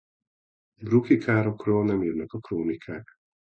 Brucki károkról nem írnak a krónikák.